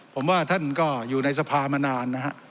ผมว่าท่านก็อยู่ในสภามานานนะฮะ